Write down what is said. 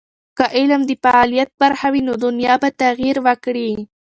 که علم د فعالیت برخه وي، نو دنیا به تغیر وکړي.